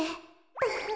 ウフフ。